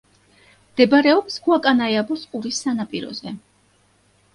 მდებარეობს გუაკანაიაბოს ყურის სანაპიროზე.